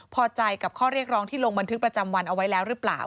พอใจกับข้อเรียกร้องที่ลงบันทึกประจำวันเอาไว้แล้วหรือเปล่า